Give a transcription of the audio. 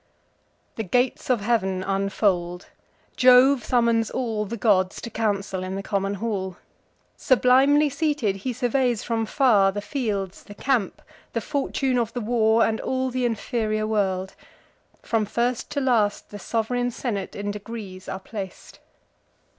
The gates of heav'n unfold: Jove summons all The gods to council in the common hall. Sublimely seated, he surveys from far The fields, the camp, the fortune of the war, And all th' inferior world. From first to last, The sov'reign senate in degrees are plac'd.